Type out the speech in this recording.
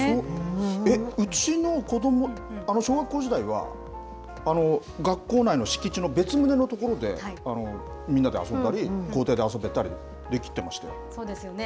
えっ、うちの子ども、小学校時代は、学校内の敷地の別棟の所で、みんなで遊んだり、そうですよね。